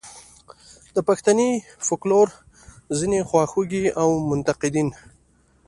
د پښتني فوکلور ځینې خواخوږي او منتقدین.